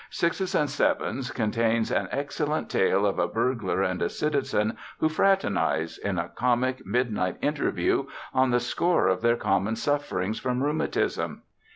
"Sixes and Sevens" contains an excellent tale of a burglar and a citizen who fraternize, in a comic midnight interview, on the score of their common sufferings from rheumatism.